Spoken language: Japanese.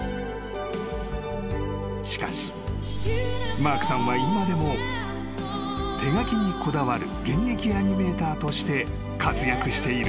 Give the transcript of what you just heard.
［しかしマークさんは今でも手描きにこだわる現役アニメーターとして活躍している］